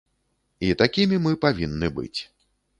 І такімі мы павінны быць.